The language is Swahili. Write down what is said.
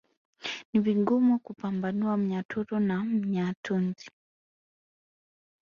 Ni vigumu kumpambanua Mnyaturu na Wanyatunzu